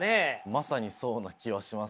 まさにそんな気はします。